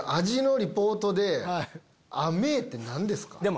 味のリポートで「あめぇ」って何ですか？